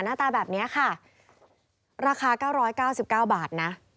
หน้าตาแบบนี้ค่ะราคา๙๙๙บาทนะ